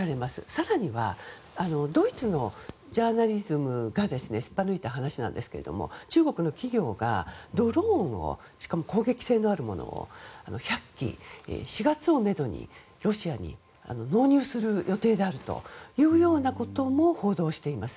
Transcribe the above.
更にはドイツのジャーナリズムがすっぱ抜いた話なんですが中国の企業がドローンをしかも攻撃性のあるものを１００機、４月をめどにロシアに納入する予定であるというようなことも報道しています。